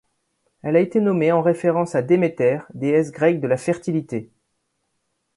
Elle a été nommée en référence à Demeter, déesse grecque de la fertilité.